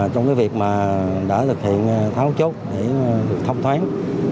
trong cái việc mà đã thực hiện tháo chốt để thông thoáng